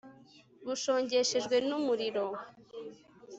bushongeshejwe n'umuriro